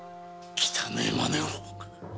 汚えまねを！